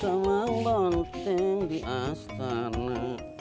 sama bonteng di astana